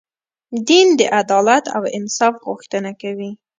دین د عدالت او انصاف غوښتنه کوي.